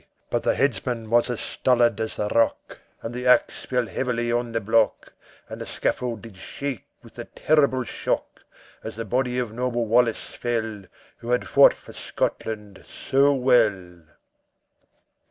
But the headsman was as stolid as the rock, And the axe fell heavily on the block, And the scaffold did shake with the terrible shock, As the body of noble Wallace fell, Who had fought for Scotland so well.